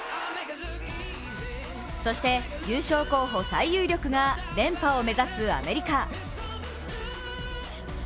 そして優勝候補最有力が連覇を目指すアメリカ。